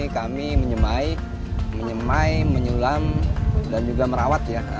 kami menyemai menyulam dan juga merawat ya